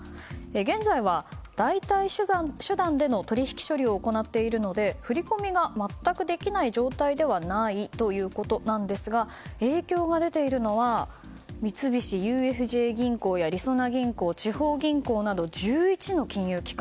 現在は代替手段での取引処理を行っているので振り込みが全くできない状態ではないということなんですが影響が出ているのは三菱ＵＦＪ銀行やりそな銀行、地方銀行など１１の金融機関。